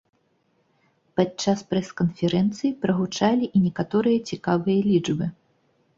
Падчас прэс-канферэнцыі прагучалі і некаторыя цікавыя лічбы.